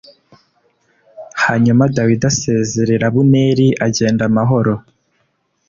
Hanyuma Dawidi asezerera Abuneri agenda amahoro.